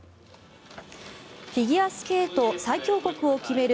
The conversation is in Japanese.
フィギュアスケート最強国を決める